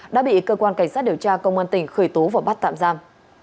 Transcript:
đã bị cơ quan cảnh sát điều tra công an tỉnh khởi tố và bắt tạm giam